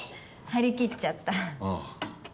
張り切っちゃった。